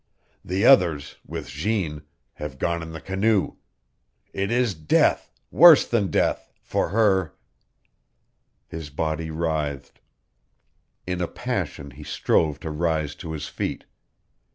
The others with Jeanne have gone in the canoe. It is death worse than death for her " His body writhed. In a passion he strove to rise to his feet.